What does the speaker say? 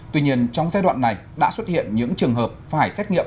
tuy nhiên trong giai đoạn này đã xuất hiện những trường hợp phải xét nghiệm